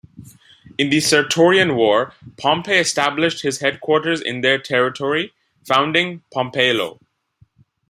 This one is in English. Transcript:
In the Sertorian War, Pompey established his headquarters in their territory, founding Pompaelo.